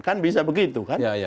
kan bisa begitu kan